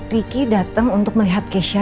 ricky dateng untuk melihat keisha